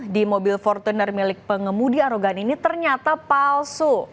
di mobil fortuner milik pengemudi arogan ini ternyata palsu